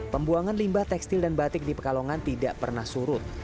pembuangan limbah tekstil dan batik di pekalongan tidak pernah surut